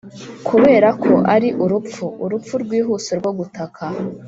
kuberako ari urupfu, urupfu rwihuse rwo gutaka.